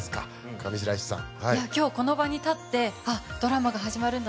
上白石さん